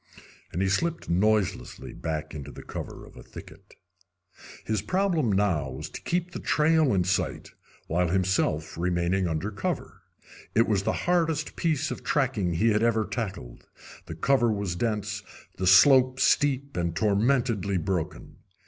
And he slipped noiselessly back into the cover of a thicket. His problem now was to keep the trail in sight while himself remaining under cover. It was the hardest piece of tracking he had ever tackled. The cover was dense, the slope steep and tormentedly broken.